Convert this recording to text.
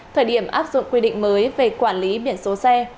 thời điểm áp dụng quy định mới về quản lý biển số xe